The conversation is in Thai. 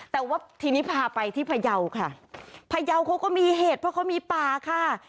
แต่ว่าทีนี้พาไปที่พยาวค่ะพยาวเขาก็มีเหตุเพราะเขามีป่าค่ะ